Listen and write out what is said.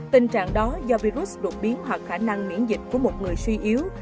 tình trạng đó do virus đột biến hoặc khả năng miễn dịch của một người suy yếu